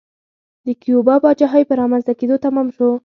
د کیوبا پاچاهۍ په رامنځته کېدو تمام شو.